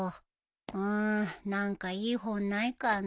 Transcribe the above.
うーん何かいい本ないかな。